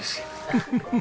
フフフフ。